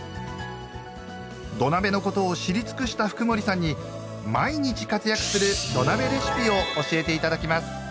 土鍋のことを知り尽くした福森さんに毎日活躍する土鍋レシピを教えていただきます。